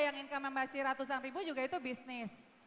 yang income yang masih ratusan ribu juga itu bisnis